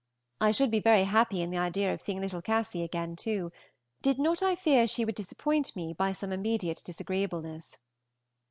I should be very happy in the idea of seeing little Cassy again, too, did not I fear she would disappoint me by some immediate disagreeableness.